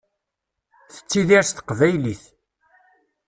Tettidir s teqbaylit.